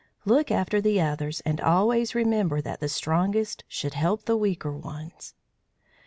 Look after the others, and always remember that the strongest should help the weaker ones."